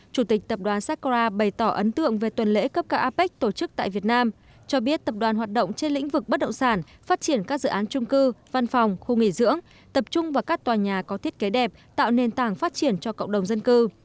chủ tịch tập đoàn sakora bày tỏ ấn tượng về tuần lễ cấp cao apec tổ chức tại việt nam cho biết tập đoàn hoạt động trên lĩnh vực bất động sản phát triển các dự án trung cư văn phòng khu nghỉ dưỡng tập trung vào các tòa nhà có thiết kế đẹp tạo nền tảng phát triển cho cộng đồng dân cư